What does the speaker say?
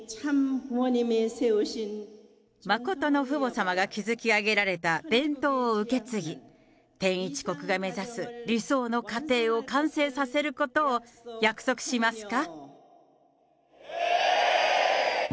真の父母様が築き上げられた伝統を受け継ぎ、天一国が目指す理想の家庭を完成させることを約束しますか？